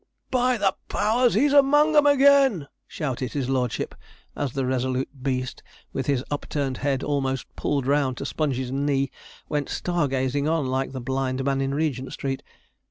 'By the powers, he's among 'em again!' shouted his lordship, as the resolute beast, with his upturned head almost pulled round to Sponge's knee, went star gazing on like the blind man in Regent Street.